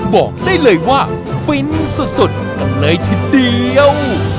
บอกได้เลยว่าฟินสุดกันเลยทีเดียว